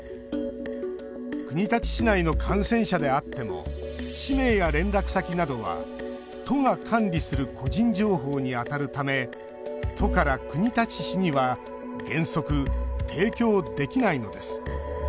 国立市内の感染者であっても氏名や連絡先などは都が管理する個人情報にあたるため都から国立市には原則、提供できないのです。